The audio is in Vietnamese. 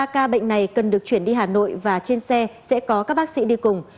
ba ca bệnh này cần được chuyển đi hà nội và trên xe sẽ có các bác sĩ đi cùng